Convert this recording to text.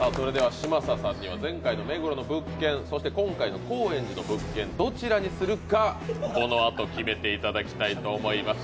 嶋佐さんには前回の目黒の物件、そして今回の高円寺の物件どちらにするかこのあと決めていただきたいと思います。